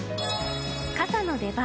傘の出番。